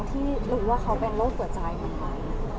ที่รู้ว่าเขาเป็นโรคหัวใจเหมือนกัน